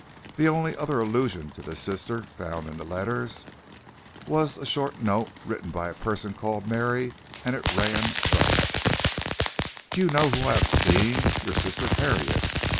The only other allusion to this sister found in the letters was in a short note written by a person called Mary, and it ran thus: "Do you know whom I have seen? Your sister Harriet.